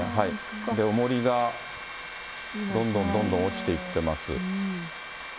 おもりがどんどんどんどん落ちていってます。